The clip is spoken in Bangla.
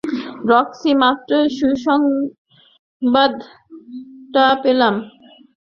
রক্সি, মাত্রই সুসংবাদটা পেলাম।